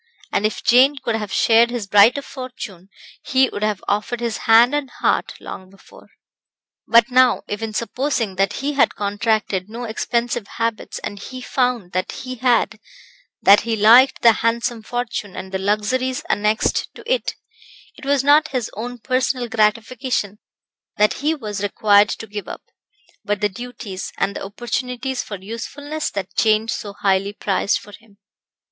And if Jane could have shared his brighter fortune, he would have offered his hand and heart long before. But now, even supposing that he had contracted no expensive habits, and he found that he had that he liked the handsome fortune, and the luxuries annexed to it it was not his own personal gratification that he was required to give up, but the duties, and the opportunities for usefulness that Jane so highly prized for him.